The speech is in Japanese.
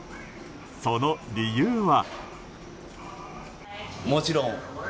その理由は？